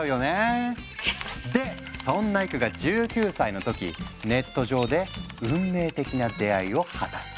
でそんなエクが１９歳の時ネット上で運命的な出会いを果たす。